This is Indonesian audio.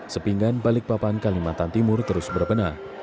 sepinggan balikpapan kalimantan timur terus berbenah